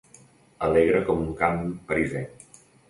Alegre com un camp parisenc.